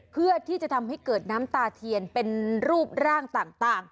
เพื่อที่จะทำให้เกิดน้ำตาเทียนเป็นรูปร่างต่าง